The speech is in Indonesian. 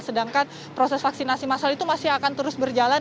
sedangkan proses vaksinasi masal itu masih akan terus berjalan